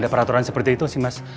ada peraturan seperti itu sih mas